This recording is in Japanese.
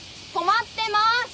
止まってます！